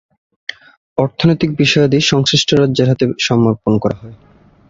অর্থনৈতিক বিষয়াদি সংশ্লিষ্ট রাজ্যের হাতে সমর্পণ করা হয়য়।